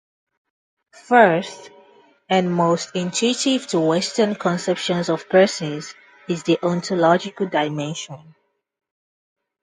First, and most intuitive to Western conceptions of persons, is the ontological dimension.